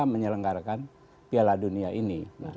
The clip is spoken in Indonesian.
menyelenggarakan piala dunia ini